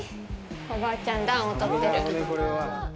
おばあちゃん、暖をとってる。